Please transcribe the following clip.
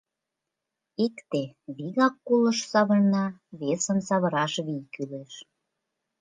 Икте вигак кулыш савырна, весым савыраш вий кӱлеш.